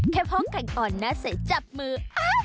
แค่พ่อไก่อ่อนนะเศษจับมือ